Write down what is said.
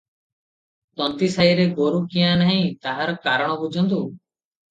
ତନ୍ତୀସାଇରେ ଗୋରୁ କ୍ୟାଁ ନାହିଁ, ତାହାର କାରଣ ବୁଝନ୍ତୁ ।